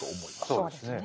そうですね。